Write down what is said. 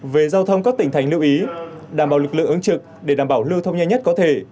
về giao thông các tỉnh thành lưu ý đảm bảo lực lượng ứng trực để đảm bảo lưu thông nhanh nhất có thể